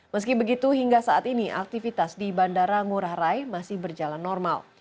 meski begitu hingga saat ini aktivitas di bandara ngurah rai masih berjalan normal